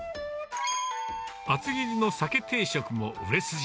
厚切りの鮭定食も売れ筋。